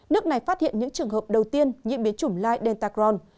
nước này phát hiện những trường hợp đầu tiên nhiễm biến chủng light delta crohn